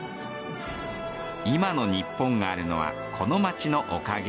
今のニッポンがあるのはこの街のおかげ。